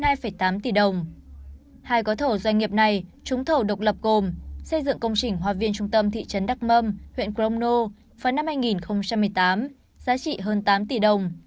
hai gói thầu doanh nghiệp này trúng thầu độc lập gồm xây dựng công trình hòa viên trung tâm thị trấn đắk mâm huyện crono vào năm hai nghìn một mươi tám giá trị hơn tám tỷ đồng